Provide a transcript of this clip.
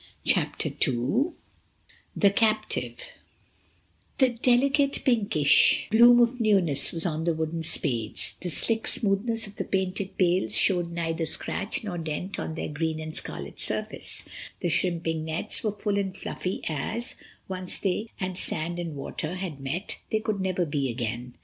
CHAPTER TWO The Captive THE DELICATE pinkish bloom of newness was on the wooden spades, the slick smoothness of the painted pails showed neither scratch nor dent on their green and scarlet surface—the shrimping nets were full and fluffy as, once they and sand and water had met, they never could be again.